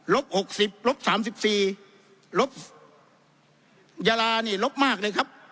ลบหกสิบลบสามสิบสี่ลบยาลานี่ลบมากเลยครับ